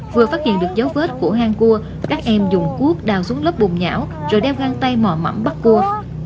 vừa phát hiện được dấu vết của hang cua các em dùng cuốc đào xuống lớp bùn nhão rồi đeo găng tay mò mẫm bắt cua